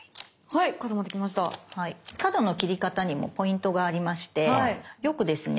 角の切り方にもポイントがありましてよくですね